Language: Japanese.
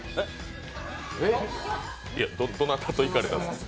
どなたと行かれたんですか？